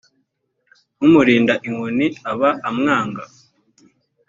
umurinda inkoni aba amwanga